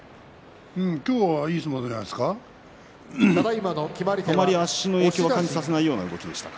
今日はいい相撲じゃないですか。